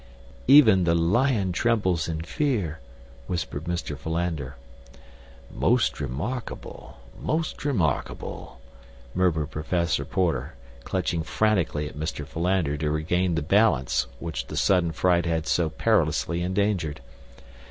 "Even the lion trembles in fear," whispered Mr. Philander. "Most remarkable, most remarkable," murmured Professor Porter, clutching frantically at Mr. Philander to regain the balance which the sudden fright had so perilously endangered.